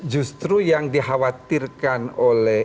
justru yang dikhawatirkan oleh